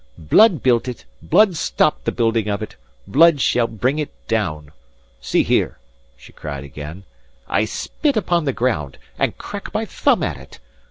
"Blood built it; blood stopped the building of it; blood shall bring it down. See here!" she cried again "I spit upon the ground, and crack my thumb at it!